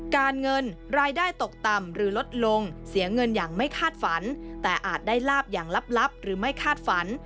เงินรายได้ตกต่ำหรือลดลงเสียเงินอย่างไม่คาดฝันแต่อาจได้ลาบอย่างลับหรือไม่คาดฝัน